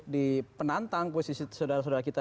di penantang posisi saudara saudara kita